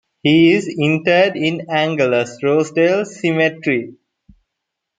He is interred in Angelus-Rosedale Cemetery.